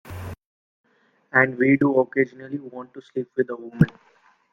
And we do occasionally want to sleep with a woman.